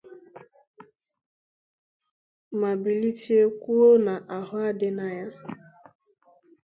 ma blite kwuo n'ahụ adịna ya.